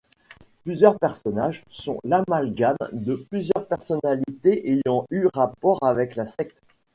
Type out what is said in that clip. Plusieurs personnages sont l'amalgame de plusieurs personnalités ayant eu rapport avec la secte.